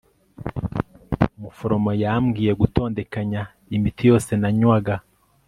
umuforomokazi yambwiye gutondekanya imiti yose nanywaga